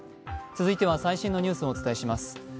続いては最新のニュースをお伝えします。